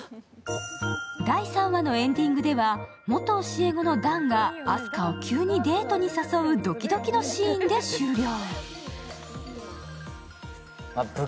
第３話のエンディングでは元教え子の弾があす花を急にデートに誘うドキドキのシーンで終了。